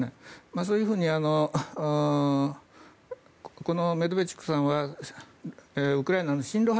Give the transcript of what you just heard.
そういうふうにこのメドベチュクさんはウクライナの親ロ派